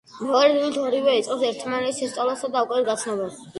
მეორე დილით ორივე იწყებს ერთმანეთის შესწავლასა და უკეთ გაცნობას.